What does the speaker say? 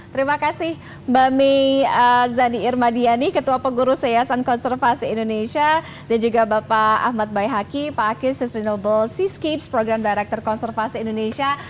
terima kasih mbak may zadie irma diani ketua pegurus seasan konservasi indonesia dan juga bapak ahmad bayi haki pak aki sustainable seascapes program direktur konservasi indonesia